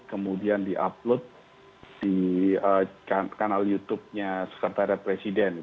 kemudian di upload di kanal youtube nya sekretariat presiden